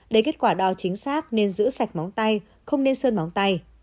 để kết quả đo chính xác nên giữ sạch bóng tay không nên sơn móng tay